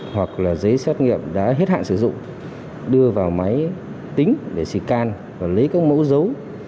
hoặc là giấy xét nghiệm đã hết hạn sử dụng đưa vào máy tính để xịt can và lấy các mẫu dấu